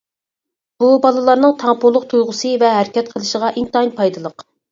بۇ بالىلارنىڭ تەڭپۇڭلۇق تۇيغۇسى ۋە ھەرىكەت قىلىشىغا ئىنتايىن پايدىلىق.